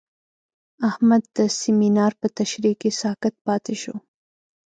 احمد د سمینار په تشریح کې ساکت پاتې شو.